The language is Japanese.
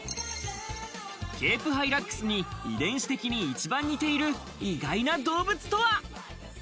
ケープハイラックスに遺伝子的に一番似ている意外な動物とは？